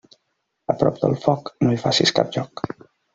A prop del foc, no hi facis cap joc.